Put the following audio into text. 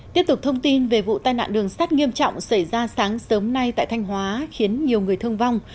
tiếp tục thông tin về vụ tai nạn đường sắt nghiêm trọng xảy ra sáng sớm nay tại thanh hóa khiến nhiều người thương vong